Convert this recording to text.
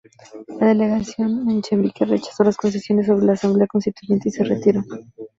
La delegación menchevique rechazó las concesiones sobre la asamblea constituyente y se retiró.